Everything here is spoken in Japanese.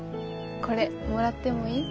これもらってもいい？